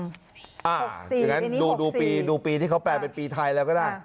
อย่างนั้นดูปีที่เขาแปลเป็นปีไทยแล้วก็ได้